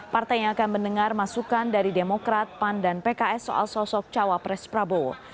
partainya akan mendengar masukan dari demokrat pan dan pks soal sosok cawapres prabowo